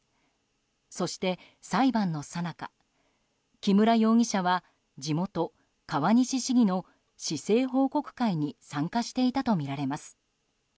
そして、裁判のさなか木村容疑者は地元・川西市議の市政報告会に参加していたとみられます。